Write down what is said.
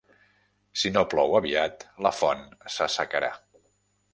Si no plou aviat, la font s'assecarà.